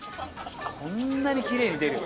こんなにキレイに出る？